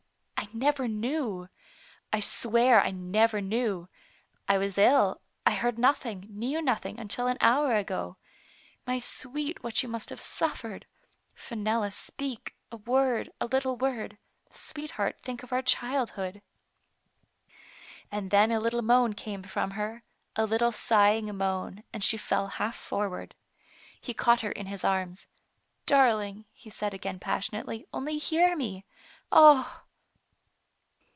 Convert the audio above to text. I never knew. I swear, I never knew. I was ill, I heard nothing, knew nothing until an hour ago. My sweet, what you must have suffered ! Fenella, speak — a word, a lit tle word. Sweetheart, think of our childhood." And then a little moan came from her, a little sighing moan, and she fell half forward. He caught her in his arms. " Darling, he said again passionately, " only hear me. Ah